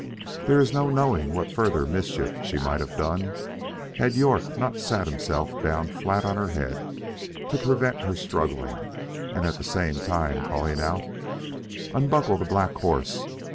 There is no knowing what further mischief she might have done, had not York sat himself down flat on her head to prevent her struggling, at the same time calling out, "Unbuckle the black horse!